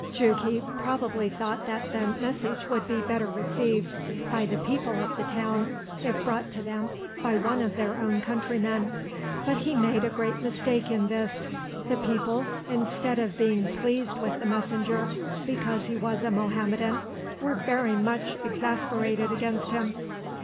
Jughi probably thought that the message would be better received by the people of the town if brought to them by one of their own countrymen, but he made a great mistake in this. The people, instead of being pleased with the messenger because he was a Mohammedan, were very much exasperated against him.